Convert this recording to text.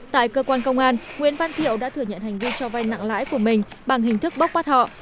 tại cơ quan công an nguyễn văn thiệu đã thừa nhận hành vi cho vay nặng lãi của mình bằng hình thức bốc bắt họ